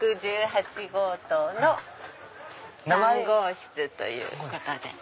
１１８号棟の３号室ということで。